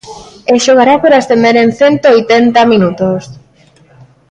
E xogará por ascender en cento oitenta minutos.